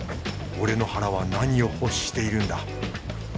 俺の腹は何を欲しているんだ。